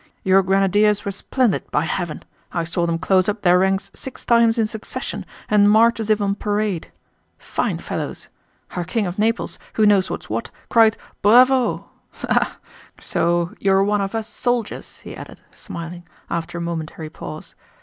Your grenadiers were splendid, by heaven! I saw them close up their ranks six times in succession and march as if on parade. Fine fellows! Our King of Naples, who knows what's what, cried 'Bravo!' Ha, ha! So you are one of us soldiers!" he added, smiling, after a momentary pause.